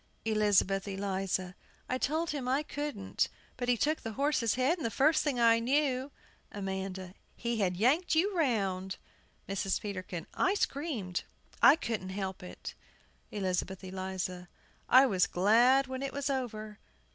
ELIZABETH ELIZA. I told him I couldn't; but he took the horse's head, and the first thing I knew AMANDA. He had yanked you round! MRS. PETERKIN. I screamed; I couldn't help it! ELIZABETH ELIZA. I was glad when it was over!